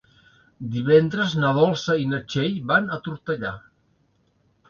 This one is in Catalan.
Divendres na Dolça i na Txell van a Tortellà.